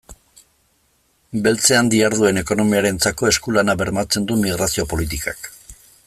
Beltzean diharduen ekonomiarentzako esku-lana bermatzen du migrazio politikak.